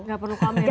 gak perlu ke amerika